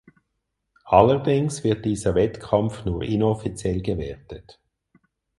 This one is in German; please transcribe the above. Allerdings wird dieser Wettkampf nur inoffiziell gewertet.